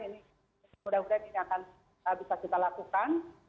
ini mudah mudahan ini akan bisa kita lakukan